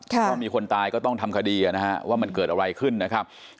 ถ้ามีคนตายก็ต้องทำคดีนะฮะว่ามันเกิดอะไรขึ้นนะครับ